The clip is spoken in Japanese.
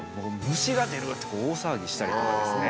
「虫が出る！」って大騒ぎしたりとかですね。